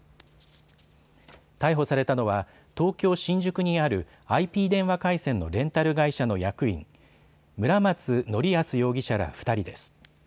逮捕されたのは東京新宿にあるＩＰ電話回線のレンタル会社の役員、村松敬泰容疑者ら２人です。